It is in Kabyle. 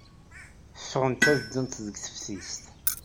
Ffɣent ad ddunt deg teftist.